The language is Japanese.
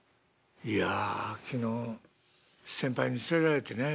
「いや昨日先輩に連れられてね